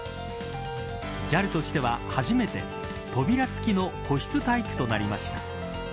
ＪＡＬとしては初めて扉つきの個室タイプとなりました。